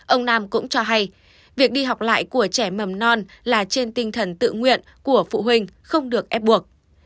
ông nam cũng cho hay việc đi học lại của trẻ mầm non là trên tinh thần tự nguyện của phụ huynh không được ép buộc